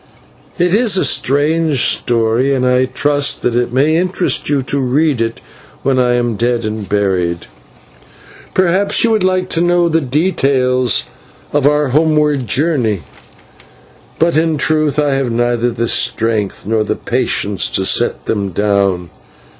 It is a strange story, and I trust that it may interest you to read it when I am dead and buried. Perhaps you would like to know the details of our homeward journey, but in truth I have neither the strength nor the patience to set them down.